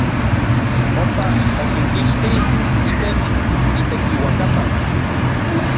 Ompa okinkixtij itech itekiuakapan.